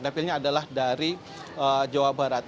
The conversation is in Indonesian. dapilnya adalah dari jawa barat